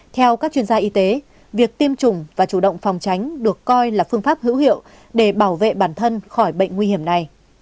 theo các chuyên gia y tế việc tiêm chủng và chủ động phòng tránh được coi là phương pháp hữu hiệu để bảo vệ bản thân khỏi bệnh nguy hiểm này